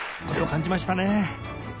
これを感じましたね